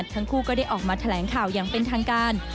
ทั้งคู่ก็ได้ออกมาแถลงข่าวอย่างเป็นทางการ